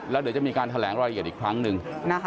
แล้วเดี๋ยวจะมีการแถลงรายละเอียดอีกครั้งหนึ่ง